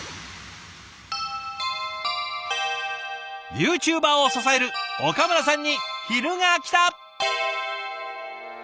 ユーチューバーを支える岡村さんに昼がきた！